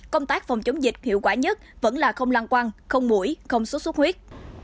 công tác phòng chống dịch hiệu quả nhất vẫn là không lăng quăng không mũi không xuất xuất huyết